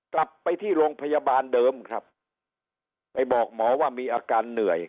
กลับไปที่โรงพยาบาลเดิมครับไปบอกหมอว่ามีอาการเหนื่อย